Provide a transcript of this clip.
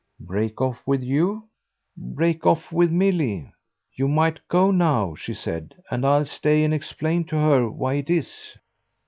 "Break off with you?" "Break off with Milly. You might go now," she said, "and I'll stay and explain to her why it is."